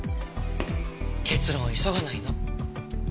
結論を急がないの。